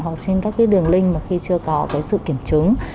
hoặc trên các đường link mà khi chưa có sự kiểm chứng